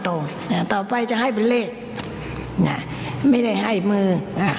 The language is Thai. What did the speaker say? ต่อไปจะให้เป็นเลขน่ะไม่ได้ให้มืออ่า